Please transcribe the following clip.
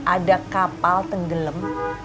ada kapal tenggelam